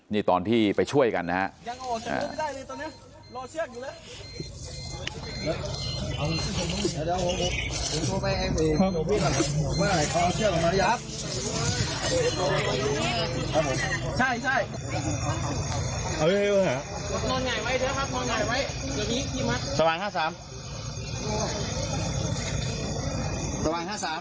นี่ตอนที่ไปช่วยกันนะฮะ